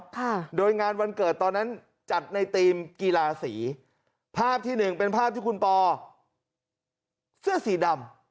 ค่ะโดยงานวันเกิดตอนนั้นจัดในธีมกีฬาสีภาพที่หนึ่งเป็นภาพที่คุณปอเสื้อสีดำ